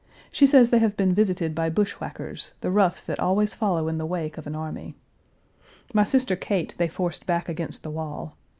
She says they have been visited by bushwhackers, the roughs that always follow in the wake of an army. My sister Kate they forced back against the wall.